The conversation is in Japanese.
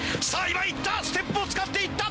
今いったステップを使っていった！